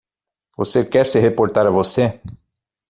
Você quer se reportar a você?